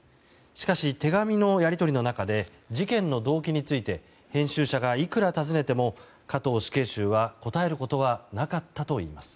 しかし手紙のやり取りの中で事件の動機について編集者がいくら尋ねても加藤死刑囚は、答えることはなかったといいます。